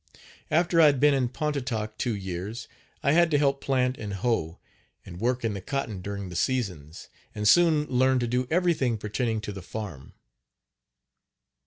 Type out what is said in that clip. After I had been in Pontotoc two years I had to help plant and hoe, and work in the cotton during the seasons, and soon learned to do everything pertaining to the farm.